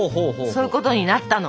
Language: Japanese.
そういうことになったの。